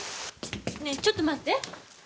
ねえちょっと待って。